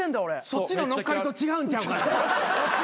そっちの乗っかりと違うんちゃうか。